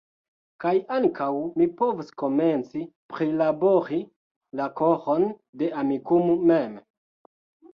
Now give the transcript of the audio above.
Kaj ankaŭ mi povos komenci prilabori la koron de Amikumu mem.